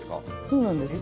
そうなんです。